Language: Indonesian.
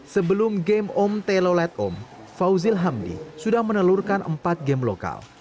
sebelum game om telolet om fauzil hamdi sudah menelurkan empat game lokal